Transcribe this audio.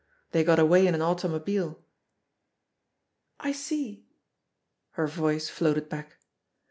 They got away in an automobile." "I see." Her voice floated back.